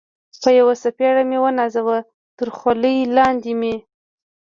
په یوه څپېړه مې و نازاوه، تر خولۍ لاندې مې.